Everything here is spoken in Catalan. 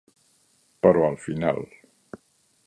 Però al final.